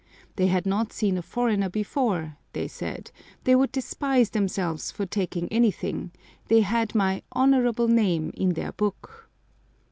They had not seen a foreigner before, they said, they would despise themselves for taking anything, they had my "honourable name" in their book.